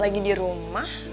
lagi di rumah